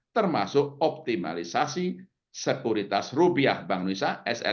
termasuk optimalisasi sekuritas rupiah bank indonesia